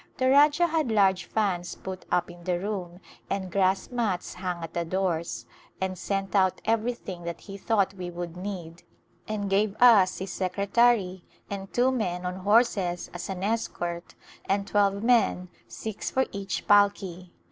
The Rajah had large fans put up in the room and grass mats hung at the doors, and sent out everything that he thought we A New Co7npanion would need, and gave us his secretary and two men on horses as an escort, and twelve men, six for each palki.